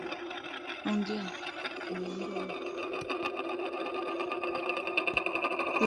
alisema msemaji wa wizara ya mambo ya nje Marekani Ned Price